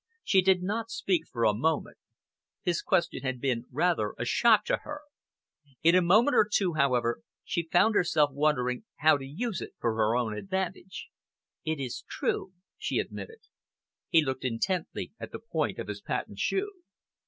She did not speak for a moment. His question had been rather a shock to her. In a moment or two, however, she found herself wondering how to use it for her own advantage. "It is true," she admitted. He looked intently at the point of his patent shoe.